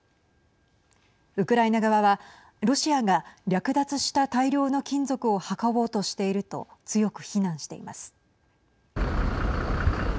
ウクライナ側はロシアが略奪した大量の金属を運ぼうとしていると強く非難しています。